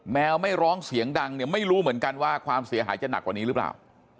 วไม่ร้องเสียงดังเนี่ยไม่รู้เหมือนกันว่าความเสียหายจะหนักกว่านี้หรือเปล่า